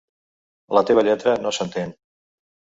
La teva lletra no s'entén.